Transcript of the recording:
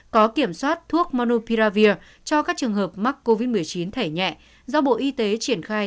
có kiểm soát thuốc monopiravir cho các trường hợp mắc covid một mươi chín thẻ nhẹ do bộ y tế triển khai